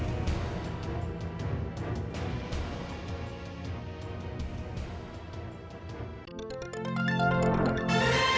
สวัสดีครับ